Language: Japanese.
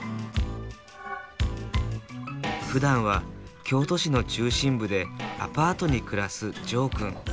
ふだんは京都市の中心部でアパートに暮らすジョーくん。